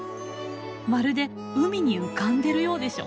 まるで海に浮かんでるようでしょ。